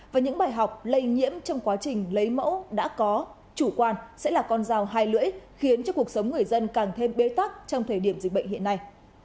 và những bài học lây nhiễm trong quá trình lấy mẫu đã có chủ quan sẽ là con dao hai lưỡi khiến cho cuộc sống người dân càng thêm bế tắc trong thời điểm dịch bệnh hiện nay